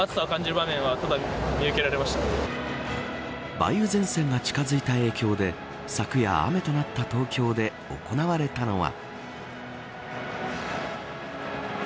梅雨前線が近づいた影響で昨夜、雨となった東京で行われたのは。